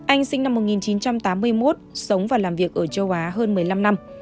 anh sinh năm một nghìn chín trăm tám mươi một sống và làm việc ở châu á hơn một mươi năm năm